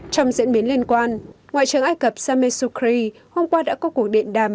trong diễn biến liên quan ngoại trưởng ai cập sameh sukri hôm qua đã có cuộc điện đàm